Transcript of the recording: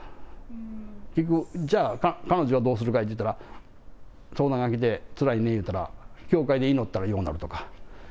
じゃあ、彼女はどうするかいうたら、長男が来て、つらいって言ったら、教会で祈ったらようなるとか。